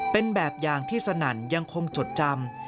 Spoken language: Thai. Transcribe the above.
เป็นแบบอย่างที่สนั่นยังคงจดจำ